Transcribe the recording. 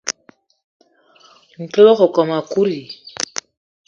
Ntol wakokóm ekut i?